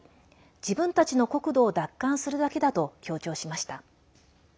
自分たちの国土を奪還するだけだと強調しました。